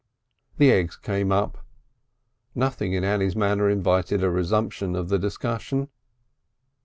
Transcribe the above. The eggs came up. Nothing in Annie's manner invited a resumption of the discussion.